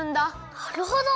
なるほど。